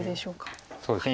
そうですね